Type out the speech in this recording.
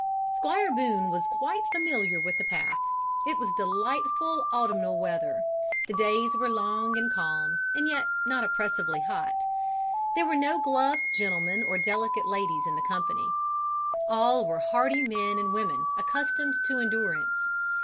Squire Boone was quite familiar with the path. It was delightful autumnal weather. The days were long and calm, and yet not oppressively hot. There were no gloved gentlemen or delicate ladies in the company. All were hardy men and women, accustomed to endurance.